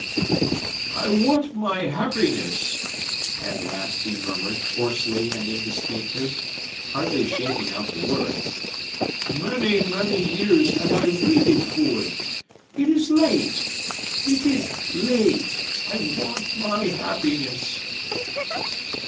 "I want my happiness!" at last he murmured hoarsely and indistinctly, hardly shaping out the words. "Many, many years have I waited for it! It is late! It is late! I want my happiness!"